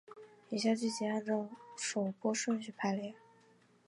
以下剧集按照首播顺序排列。